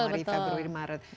januari februari maret